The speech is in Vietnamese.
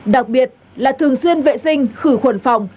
đặc biệt là thường xuyên vệ sinh khử khuẩn phòng